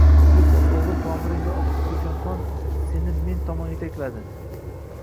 Bilib ol, oʻgʻlim, tomiringda oqib turgan qon seni men tomon yetakladi.